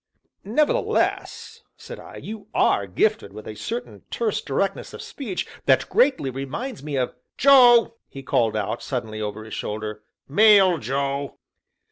"Nevertheless," said I, "you are gifted with a certain terse directness of speech that greatly reminds me of " "Joe!" he called out suddenly over his shoulder. "Mail, Joe!"